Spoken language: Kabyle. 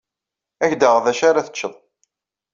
Ad ak-d-aɣeɣ d acu ara teččeḍ.